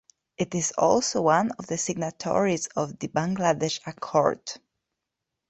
It is also one of the signatories of the Bangladesh Accord.